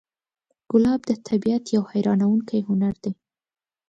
ګلاب د طبیعت یو حیرانوونکی هنر دی.